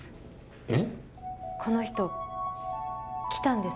えっこの人来たんです